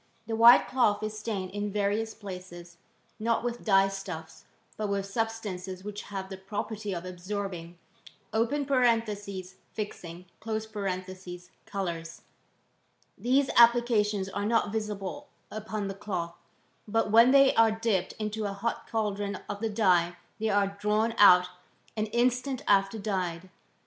The white cloth is stained in various places, not with dye stuffs, but with substances which have the pro perty of absorbing {fixing) colours, these applcations are not visible upon the cloth; but when they are dipped into a hot caldron of the dye they are drawn out an instant after dyed.